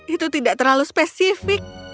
itu tidak terlalu spesifik